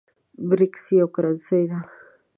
برېکس یوه کرنسۍ ده